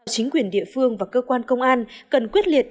chính quyền địa phương và cơ quan công an cần quyết liệt